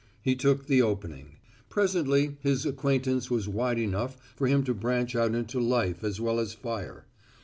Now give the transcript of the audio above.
He took the opening. Presently his acquaintance was wide enough for him to branch out into life as well as fire.